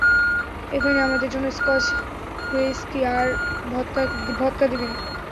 এখানে আমাদের জন্য স্কচ হুইস্কি আর ভদকা দিবেন।